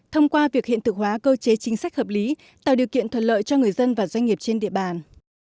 thông qua việc hiện thực hóa cơ chế chính sách hợp lý tạo điều kiện thuận lợi cho người dân và doanh nghiệp trên địa bàn